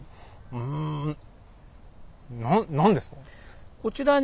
うんな何ですか？